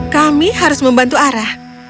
kami harus membantu ara